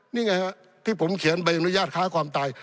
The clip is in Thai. นี่ไงฮะที่ผมเขียนใบอนุญาตค้าความตาย